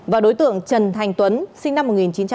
và đối tượng trần thành tuấn sinh năm một nghìn chín trăm tám mươi